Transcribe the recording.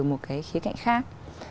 một khía cạnh khác